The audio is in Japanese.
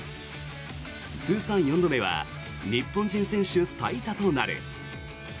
通算４度目は日本人選手最多となる。